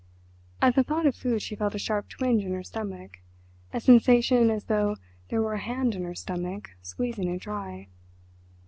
At the thought of food she felt a sharp twinge in her stomach, a sensation as though there were a hand in her stomach, squeezing it dry.